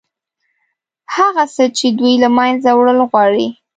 هغه څه چې دوی له منځه وړل غواړي.